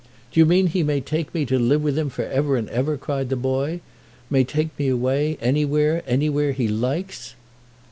"Do you mean he may take me to live with him for ever and ever?" cried the boy. "May take me away, away, anywhere he likes?"